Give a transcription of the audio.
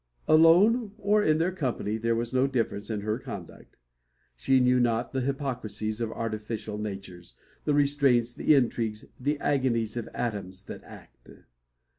Alone or in their company, there was no difference in her conduct. She knew not the hypocrisies of artificial natures; the restraints, the intrigues, the agonies of atoms that act.